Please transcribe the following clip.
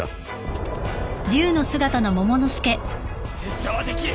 拙者はできる！